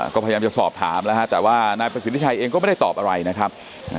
ก็พยายามจะสอบถามแล้วฮะแต่ว่านายประสิทธิชัยเองก็ไม่ได้ตอบอะไรนะครับ